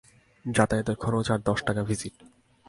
যাতায়াতের খরচ আর দশ টাকা ভিজিট।